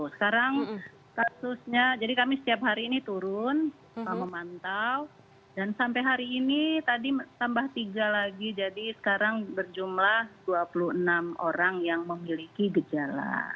sekarang kasusnya jadi kami setiap hari ini turun memantau dan sampai hari ini tadi tambah tiga lagi jadi sekarang berjumlah dua puluh enam orang yang memiliki gejala